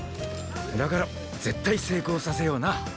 だから絶対成功させような！